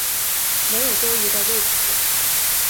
没有多余的位子